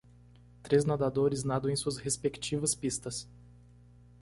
Três nadadores nadam em suas respectivas pistas.